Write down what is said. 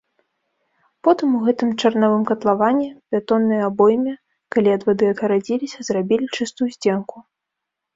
Потым у гэтым чарнавым катлаване, бетоннай абойме, калі ад вады адгарадзіліся, зрабілі чыстую сценку.